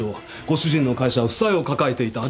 ご主人の会社は負債を抱えていた。